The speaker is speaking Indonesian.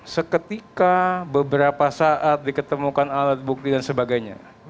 seketika beberapa saat diketemukan alat bukti dan sebagainya